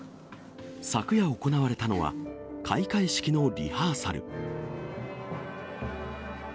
昨夜行われたのは、開会式のリハーサル。